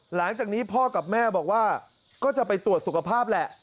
หลังจากนี้พ่อกับแม่บอกว่าก็จะไปตรวจสุขภาพแหละ